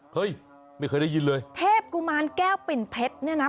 เฮ้ยไม่เคยได้ยินเลยเทพกุมารแก้วปิ่นเพชรเนี่ยนะ